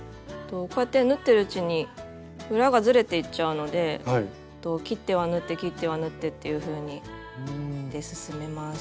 こうやって縫ってるうちに裏がずれていっちゃうので切っては縫って切っては縫ってっていうふうにして進めます。